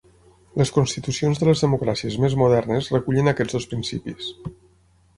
Les constitucions de les democràcies més modernes recullen aquests dos principis.